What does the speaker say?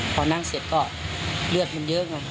พอนั่งเสร็จก็เลือดมันเยอะไง